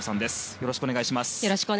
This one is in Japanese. よろしくお願いします。